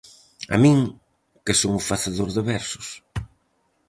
A min, que son o facedor de versos.